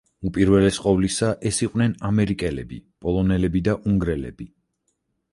უპირველეს ყოვლისა ეს იყვნენ ამერიკელები, პოლონელები და უნგრელები.